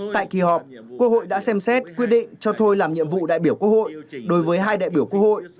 tại kỳ họp quốc hội đã xem xét quyết định cho thôi làm nhiệm vụ đại biểu quốc hội đối với hai đại biểu quốc hội